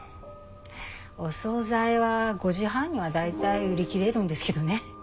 お総菜は５時半には大体売り切れるんですけどね。